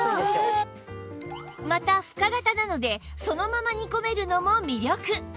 また深型なのでそのまま煮込めるのも魅力